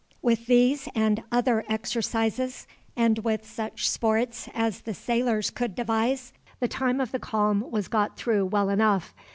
With these and other exercises, and with such sports as the sailors could devise, the time of the calm was got through well enough.